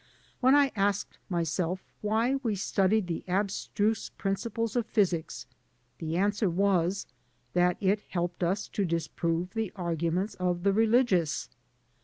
When I asked myself why we studied the abstruse principles of physics, the answer was that it helped us to disprove the arguments of the religious.